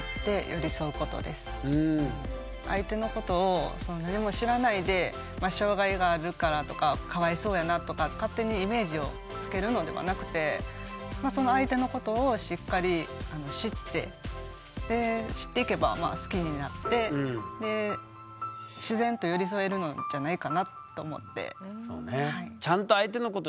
相手のことを何も知らないで障害があるからとかかわいそうやなとか勝手にイメージをつけるのではなくてその相手のことをしっかり知ってで知っていけば好きになって自然と寄り添えるのじゃないかなと思って。